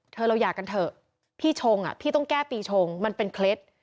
เราหย่ากันเถอะพี่ชงอ่ะพี่ต้องแก้ปีชงมันเป็นเคล็ด